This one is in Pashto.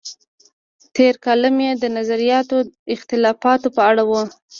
تېر کالم یې د نظریاتي اختلافاتو په اړه و.